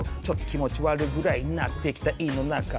「ちょっと気持ち悪いぐらいになってきた胃の中」